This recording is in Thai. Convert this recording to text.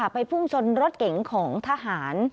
พุ่งชนรถเก๋งของทหาร